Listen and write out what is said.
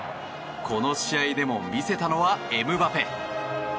この試合でも魅せたのはエムバペ。